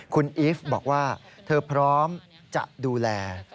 คุณอีฟบอกว่าเธอพร้อมจะดูแล